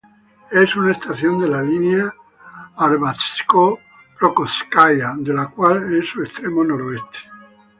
Es una estación de la línea Arbatsko-Pokrovskaya de la cual es su extremo noroeste.